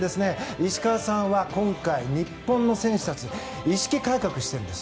石川さんは今回日本の選手たちの意識改革をしているんです。